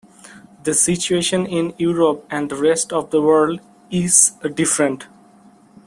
The situation in Europe and the rest of the world is different.